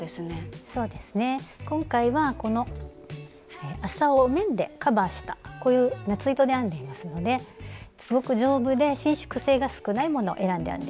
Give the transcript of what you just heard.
今回はこの麻を綿でカバーしたこういう夏糸で編んでいますのですごく丈夫で伸縮性が少ないものを選んで編んでいます。